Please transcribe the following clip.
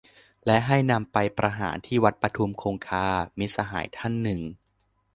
"และให้นำไปประหารที่วัดปทุมคงคา" - มิตรสหายท่านหนึ่ง